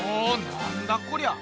なんだこりゃ！